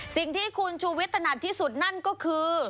สิ่งที่คุณชูวิทยถนัดที่สุดนั่นก็คือ